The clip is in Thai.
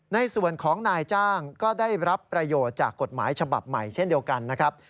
ในส่วนของนายจ้างก็ได้รับประโยชน์จากกฎหมายฉบับใหม่เช่นเดียวกันนะครับ